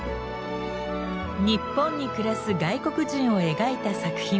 日本に暮らす外国人を描いた作品。